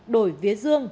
đổi vía dương